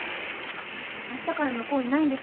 あしたから向こういないんですよ。